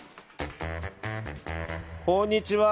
こんにちは。